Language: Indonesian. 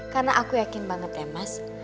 karena aku yakin banget ya mas